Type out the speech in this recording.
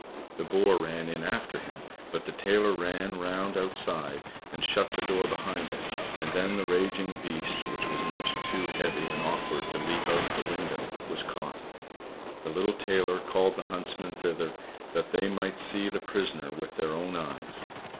The boar ran in after him, but the tailor ran round outside and shut the door behind it, and then the raging beast, which was much too heavy and awkward to leap out of the window, was caught. The little tailor called the huntsmen thither that they might see the prisoner with their own eyes.